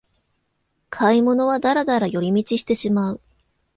買い物はダラダラ寄り道してしまう